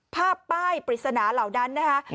ภาพป้ายปริศนาเหล่านั้นนะคะ